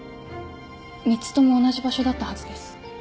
３つとも同じ場所だったはずです。